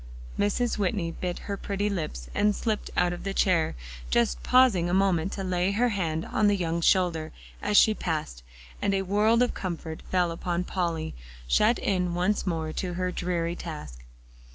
Mrs. Whitney bit her pretty lips and slipped out of her chair, just pausing a moment to lay her hand on the young shoulder as she passed, and a world of comfort fell upon Polly, shut in once more to her dreary task.